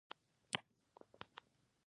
ځغاسته د سهار تازه هوا سره ښه وي